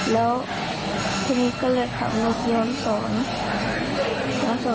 แล้วทีนี้ก็เลยขับรถย้อนสอน